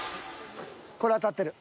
これ当たってる。